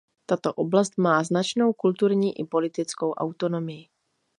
Tato oblast má značnou kulturní i politickou autonomii.